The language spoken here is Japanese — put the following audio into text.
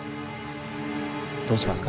どうしますか？